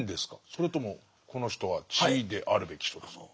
それともこの人は地であるべき人ですか？